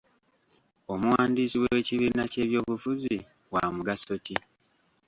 Omuwandiisi w'ekibiina ky'ebyobufuzi wa mugaso ki?